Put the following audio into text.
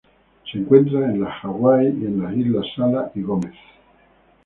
Se encuentra en las Hawaii y en la isla Sala y Gómez.